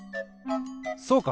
そうか！